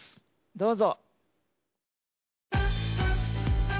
どうぞ。